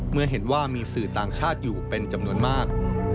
เมื่อเห็นว่ามีสื่อต่างชาติอยู่เป็นจำนวนมาก